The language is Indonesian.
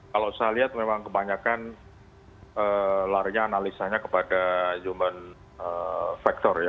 kalau saya lihat memang kebanyakan larinya analisanya kepada human factor ya